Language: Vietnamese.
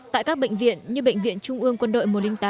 tại các bệnh viện như bệnh viện trung ương quân đội một trăm linh tám